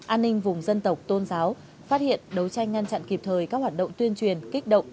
an ninh vùng dân tộc tôn giáo phát hiện đấu tranh ngăn chặn kịp thời các hoạt động tuyên truyền kích động